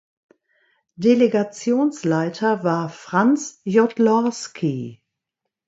Delegationsleiter war Franz Jodlorski.